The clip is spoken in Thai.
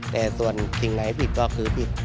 แต่ส่วนสิ่งไหนผิดก็คือผิด